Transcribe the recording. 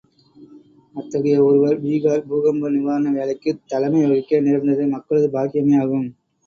அத்தகைய ஒருவர் பீகார் பூகம்ப நிவாரண வேலைக்குத் தலைமை வகிக்க நேர்ந்தது மக்களது பாக்கியமே ஆகும்.